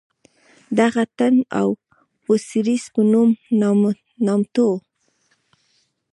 دغه تن د اوسیریس په نوم نامتوو.